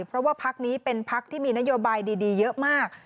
เพราะว่าพักนี้เป็นพักที่มีนโยบายดีเยอะมาก